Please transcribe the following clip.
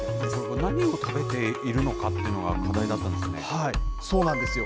何を食べているのかっていうのが、課題だったんですよね。